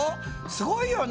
すごいよね。